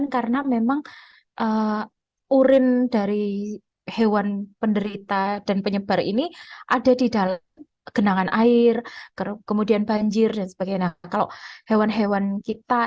karena memang urin dari hewan penderita dan penyebar ini ada di dalam genangan air kemudian banjir dan sebagainya